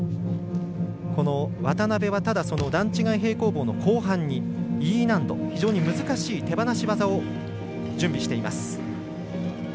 渡部は段違い平行棒の後半にＥ難度、非常に難しい手放し技を準備しています。